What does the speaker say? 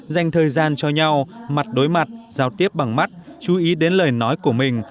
dành thời gian cho nhau mặt đối mặt giao tiếp bằng mắt chú ý đến lời nói của mình